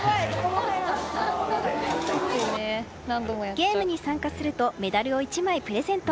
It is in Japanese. ゲームに参加するとメダルを１枚プレゼント。